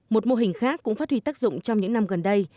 một mô hình khác cũng phát huy tác dụng trong những năm gần đây